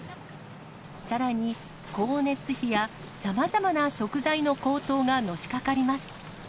さらに、光熱費やさまざまな食材の高騰がのしかかります。